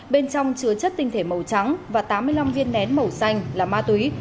bên trong chứa chất tinh thể màu trắng và tám mươi năm viên nén màu xanh là ma túy